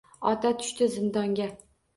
Ota tushdi zindonga.